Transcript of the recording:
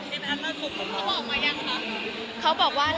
มีใครปิดปาก